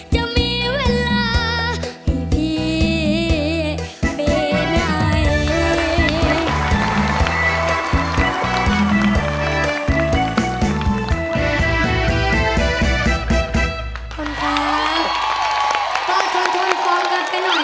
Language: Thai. จะมีเวลาให้พี่เป็นใคร